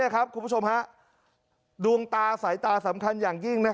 คุณผู้ชมฮะดวงตาสายตาสำคัญอย่างยิ่ง